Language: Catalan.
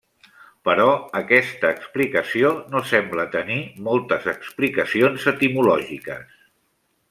Però aquesta explicació no sembla tenir moltes explicacions etimològiques.